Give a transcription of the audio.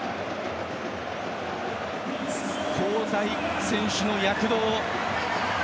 交代選手の躍動。